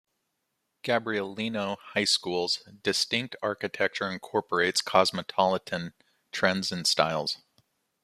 Gabrielino High School's distinct architecture incorporates cosmopolitan trends and styles.